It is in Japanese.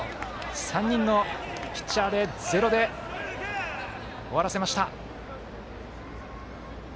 ３人のピッチャーでゼロで終わらせました。